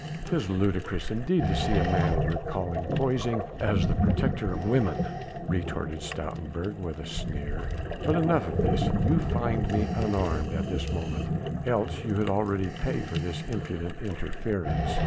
"'Tis ludicrous indeed to see a man of your calling posing as the protector of women," retorted Stoutenburg with a sneer. "But enough of this. You find me unarmed at this moment, else you had already paid for this impudent interference."